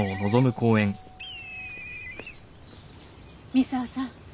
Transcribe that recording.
三沢さん